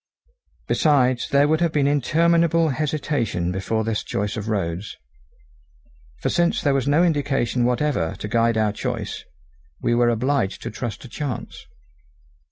Besides there would have been interminable hesitation before this choice of roads; for since there was no indication whatever to guide our choice, we were obliged to trust to chance.